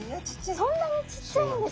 そんなにちっちゃいんですか？